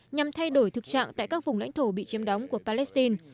nhằm thay đổi thực trạng tại các vùng lãnh thổ bị chiếm đóng của palestine